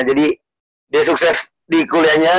jadi dia sukses di kuliahnya